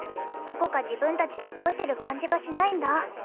どこか自分たちで動いてる感じがしないんだ。